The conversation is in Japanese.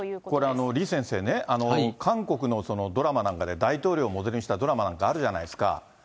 これ、李先生ね、韓国のドラマなんかで、大統領をモデルにしたドラマなんてあるじゃないですか。